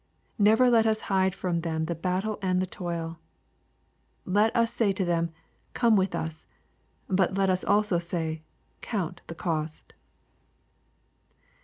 Never let us hide from them the battle and the toil. Let us say to them " come with us," — but let us also say, " count the cost."